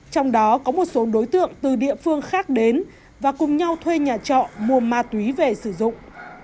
trong đó có một số đối tượng từ địa phương khác đến và cùng nhau thuê nhà trọ mua ma túy về sử dụng